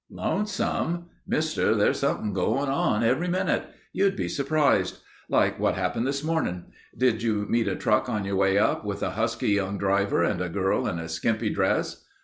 "Lonesome? Mister, there's something going on every minute. You'd be surprised. Like what happened this morning. Did you meet a truck on your way up, with a husky young driver and a girl in a skimpy dress?"